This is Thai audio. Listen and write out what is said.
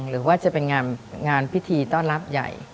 หรือว่าจะเป็นงานพิธีต้อนรับใหญ่